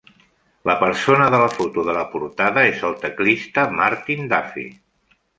La persona de la foto de la portada és el teclista Martin Duffy.